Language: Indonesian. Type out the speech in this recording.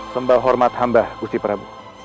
sembawah hormat hamba gusti prabu